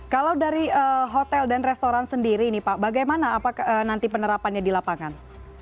kalau dari hotel dan restoran sendiri nih pak bagaimana nanti penerapannya di lapangan